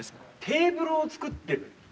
テーブルを作ってる？